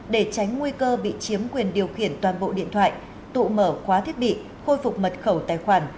để tránh nguy cơ bị chiếm quyền điều khiển toàn bộ điện thoại tụ mở khóa thiết bị khôi phục mật khẩu tài khoản